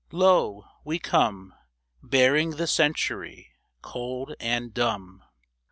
Lo ! we come Bearing the Century, cold and dumb